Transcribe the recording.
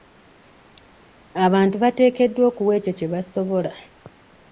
Abantu bateekeddwa okuwa ekyo kye basobola.